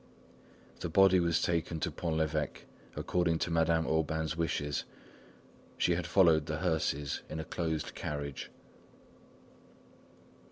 The body was taken to Pont l'Evêque, according to Madame Aubain's wishes; she followed the hearse in a closed carriage.